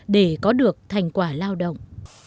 để có được thành quả lao động